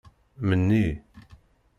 Menni.